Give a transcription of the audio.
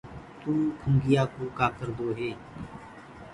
تو کنُگيآ ڪوُ ڪآ ڪردو هي۔